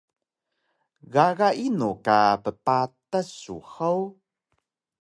Gaga inu ka ppatas su hug?